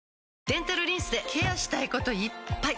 デンタルリンスでケアしたいこといっぱい！